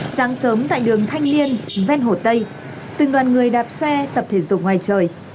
sáng sớm tại đường thanh liên ven hồ tây từng đoàn người đạp xe tập thể dục ngoài trời